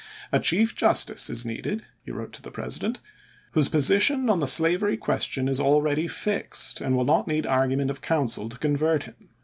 A chief justice is needed," he wrote to the President, " whose position on the slavery question is already fixed and will not need argument of counsel to convert him."